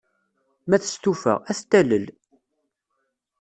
Ma testufa, ad t-talel.